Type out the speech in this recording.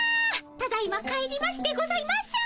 ただいま帰りましてございます。